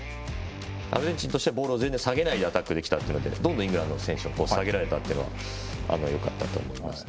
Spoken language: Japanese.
アルゼンチンとしてはボールを全然下げないでアタックできたのでどんどんイングランドの選手を下げられたというのはよかったと思いますね。